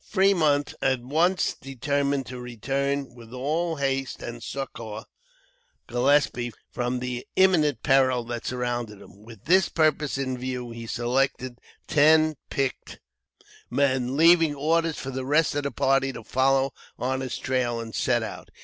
Fremont at once determined to return with all haste and succor Gillespie from the imminent peril that surrounded him. With this purpose in view, he selected ten picked men, leaving orders for the rest of the party to follow on his trail, and set out.